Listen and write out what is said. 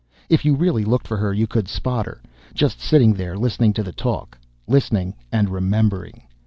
If you really looked for her you could spot her just sitting there listening to the talk listening and remembering.